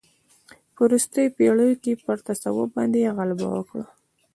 په وروستیو پېړیو کې پر تصوف باندې غلبه وکړه.